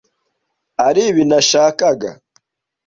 aribi nashakaga.